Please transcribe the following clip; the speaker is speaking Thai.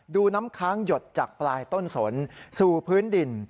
ดูน้ำค้างหยดจากปลายต้นสนสู่พื้นดิน